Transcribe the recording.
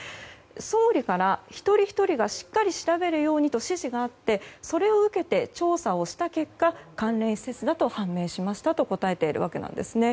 総理から一人ひとりがしっかり調べるようにと指示があってそれを受けて調査をした結果関連施設だと判明しましたと答えているわけですね。